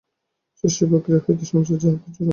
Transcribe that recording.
সৃষ্টি প্রক্রিয়া হইতেই সংসারের যাহা কিছু বন্ধন।